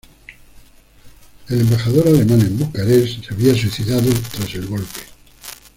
El embajador alemán en Bucarest se había suicidado tras el golpe.